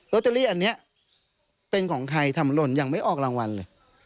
เตอรี่อันนี้เป็นของใครทำหล่นยังไม่ออกรางวัลเลย